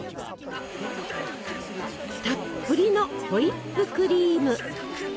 たっぷりのホイップクリーム！